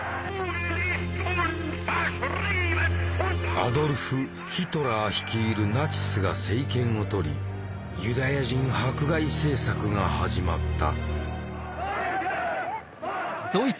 アドルフ・ヒトラー率いるナチスが政権をとりユダヤ人迫害政策が始まった。